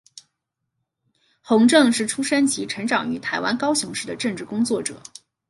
洪正是出生及成长于台湾高雄市的政治工作者。